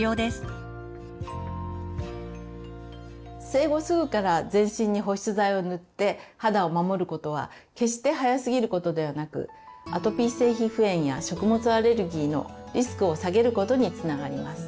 生後すぐから全身に保湿剤を塗って肌を守ることは決して早すぎることではなくアトピー性皮膚炎や食物アレルギーのリスクを下げることにつながります。